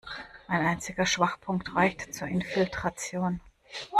Ein einziger Schwachpunkt reicht zur Infiltration.